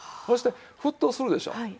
そして沸騰するでしょう。